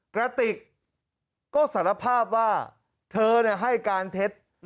กระติกก็สารภาพว่าเธอให้การเท็จ